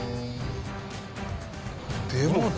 でもね。